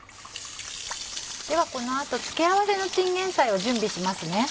ではこの後付け合わせのチンゲンサイを準備しますね。